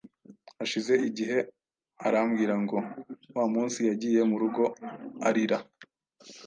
Hashize igihe arambwira ngo wa munsi yagiye mu rugo arira